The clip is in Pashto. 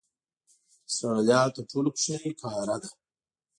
استرالیا تر ټولو کوچنۍ قاره ده.